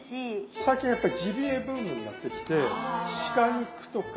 最近やっぱりジビエブームになってきて鹿肉とかあとイノシシ。